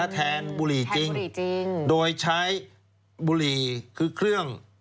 บุรีจริงโดยใช้บุหรี่คือเครื่อง